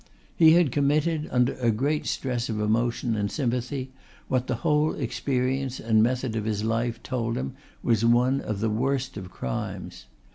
He had committed under a great stress of emotion and sympathy what the whole experience and method of his life told him was one of the worst of crimes.